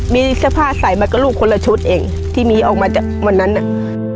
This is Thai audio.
มีเสื้อผ้าใส่มาก็ลูกคนละชุดเองที่มีออกมาจากวันนั้นน่ะ